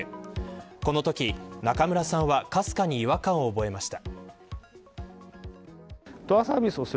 このとき中村さんはかすかに違和感を覚えました。